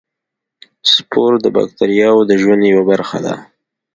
سپور د باکتریاوو د ژوند یوه برخه ده.